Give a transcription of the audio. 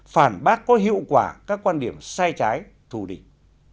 phản bác có hiệu quả các quan điểm sai trái thù địch